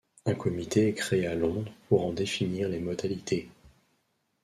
Un Comité est créé à Londres pour en définir les modalités.